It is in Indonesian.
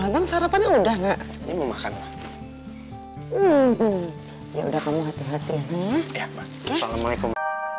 hai memang sarapan udah enggak ini makan ya udah kamu hati hati ya ya assalamualaikum